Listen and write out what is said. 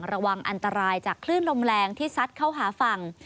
ระวังอันตรายจากคลื่นลมแรงที่ซัดเข้าหาฝั่ง